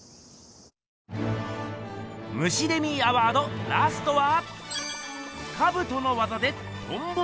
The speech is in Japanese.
ムシデミーアワードラストは。